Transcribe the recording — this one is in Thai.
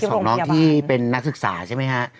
คือว่ามีเคสของน้องที่เป็นนักศึกษาใช่ไหมคะ